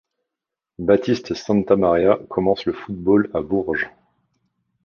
Baptiste Santamaria commence le football à Bourges.